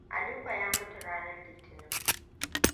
Aliko ya mutu ranar Litinin.